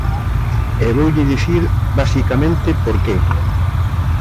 E voulle dicir basicamente por que.